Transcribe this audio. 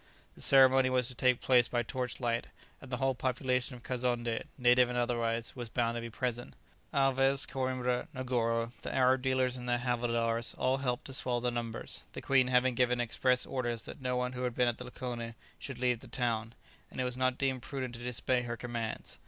The ceremony was to take place by torch light, and the whole population of Kazonndé, native and otherwise, was bound to be present. Alvez, Coïmbra, Negoro, the Arab dealers and their havildars all helped to swell the numbers, the queen having given express orders that no one who had been at the lakoni should leave the town, and it was not deemed prudent to disobey her commands.